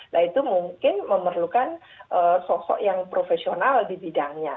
nah itu mungkin memerlukan sosok yang profesional di bidangnya